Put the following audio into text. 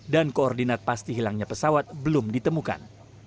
dan koordinat pasti hilangnya pesawat belum ditemukan